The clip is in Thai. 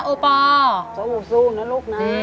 สู้นะลูกนะ